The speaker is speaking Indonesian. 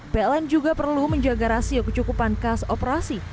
pln juga perlu menjaga rasio kecukupan kas operasi